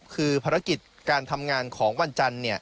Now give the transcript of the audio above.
คือภารกิจการทำงานของวันจันทร์